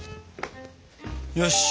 よし！